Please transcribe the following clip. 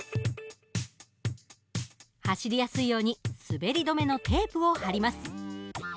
走りやすいように滑り止めのテープを貼ります。